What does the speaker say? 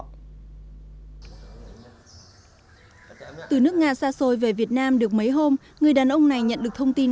từ nước nga xa xôi về việt nam được mấy hôm người đàn ông này nhận được thông tin